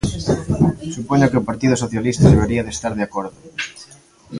Supoño que o Partido Socialista debería de estar de acordo.